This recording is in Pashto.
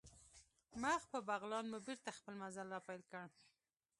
مخ په بغلان مو بېرته خپل مزل را پیل کړ.